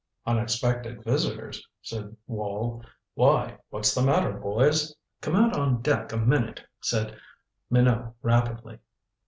"Unexpected visitors," said Wall. "Why what's the matter, boys?" "Come out on deck a minute," said Minot rapidly.